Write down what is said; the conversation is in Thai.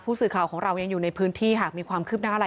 สื่อข่าวของเรายังอยู่ในพื้นที่หากมีความคืบหน้าอะไร